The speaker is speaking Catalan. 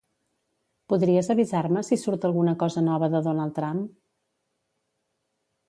Podries avisar-me si surt alguna cosa nova de Donald Trump?